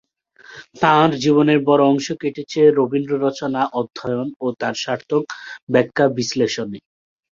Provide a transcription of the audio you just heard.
তাঁর জীবনের বড় অংশ কেটেছে রবীন্দ্ররচনা অধ্যয়ন ও তার সার্থক ব্যাখ্যা-বিশ্লেষণে।